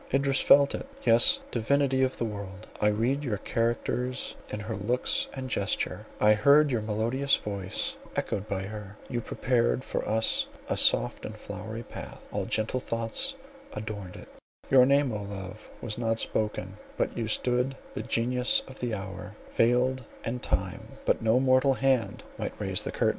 Idris felt it. Yes, divinity of the world, I read your characters in her looks and gesture; I heard your melodious voice echoed by her—you prepared for us a soft and flowery path, all gentle thoughts adorned it—your name, O Love, was not spoken, but you stood the Genius of the Hour, veiled, and time, but no mortal hand, might raise the curtain.